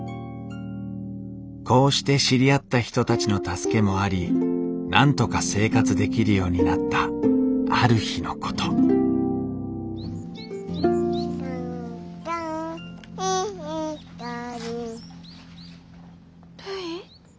こうして知り合った人たちの助けもありなんとか生活できるようになったある日のこと「カムカムエヴリバディ」るい？